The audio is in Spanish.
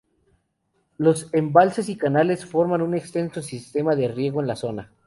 Los embalses y canales forman un extenso sistema de riego en la zona.